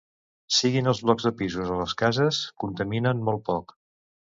Siguin els blocs de pisos o les cases, contaminen molt poc.